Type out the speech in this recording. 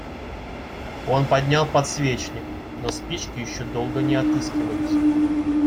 Он поднял подсвечник, но спички еще долго не отыскивались.